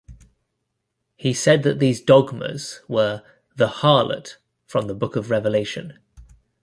He said that these dogmas were "the harlot" from the book of Revelation.